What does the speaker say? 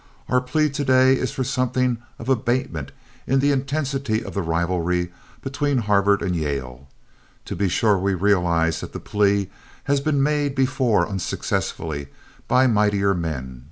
Our plea to day is for something of abatement in the intensity of the rivalry between Harvard and Yale. To be sure we realize that the plea has been made before unsuccessfully by mightier men.